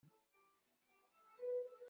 Ssfeqεeɣ-k.